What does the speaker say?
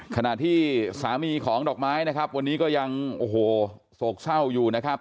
ขณะที่สามีของดอกไม้นะครับวันนี้ก็ยังโอ้โหโศกเศร้าอยู่นะครับ